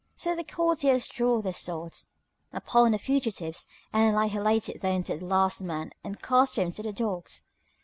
So the courtiers drew their swords upon the fugitives and annihilated them to the last man and cast them to the dogs.